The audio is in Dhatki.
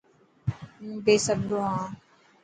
هون بيصبرو هان.